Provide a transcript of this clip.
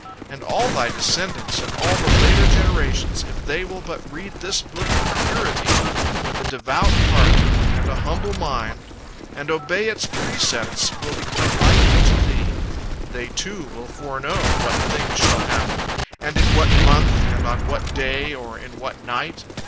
And all thy descendants and all the later generations, if they will but read this book in purity, with a devout heart and an humble mind, and obey its precepts, will become like unto thee. They, too, will foreknow what things shall happen, and in what month and on what day or in what night.